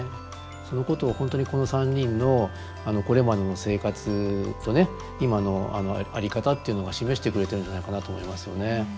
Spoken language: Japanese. そのことを本当にこの３人のこれまでの生活とね今の在り方っていうのが示してくれてるんじゃないかなと思いますよね。